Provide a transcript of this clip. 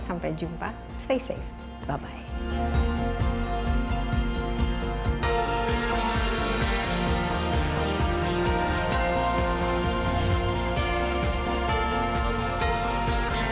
sampai jumpa stay safe bye bye